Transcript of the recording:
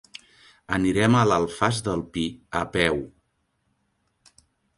Anirem a l'Alfàs del Pi a peu.